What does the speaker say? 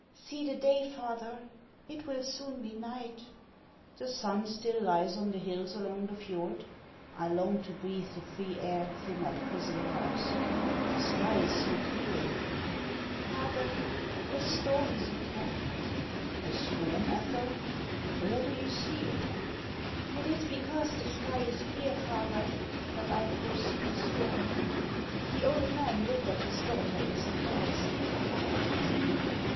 " See the day, father ! It will soon be night." "The sun still lies on the hills along the fjord. I long to breathe the free air through my prison bars. The sky is so clear !"" Father, a storm is at hand." " A storm, Ethel ! Where do you see it ?"" Tt is because the sky is clear, father, that I foresee a storm." The old man looked at his daughter in surprise.